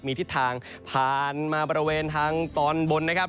มีทิศทางผ่านมาบริเวณทางตอนบนนะครับ